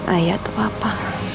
ayah atau papa